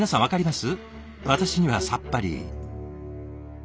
私にはさっぱり。